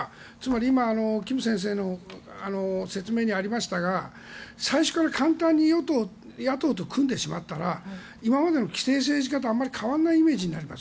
今、金先生の説明にありましたが最初から簡単に野党と組んでしまうと今までの既成政治家とあまり変わらないイメージになります。